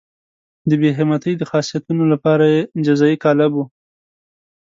د بې همتۍ د خاصیتونو لپاره یې جزایي قالب وو.